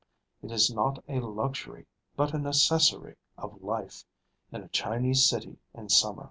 It is not a luxury, but a necessary of life, in a Chinese city in summer.